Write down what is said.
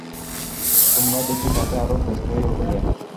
তোমরা দেখি তাতে আরো ব্যস্ত হয়ে উঠলে।